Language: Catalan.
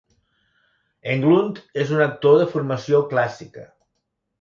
Englund és un actor de formació clàssica.